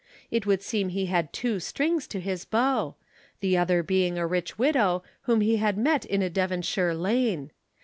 It would seem he had two strings to his bow the other being a rich widow whom he had met in a Devonshire lane.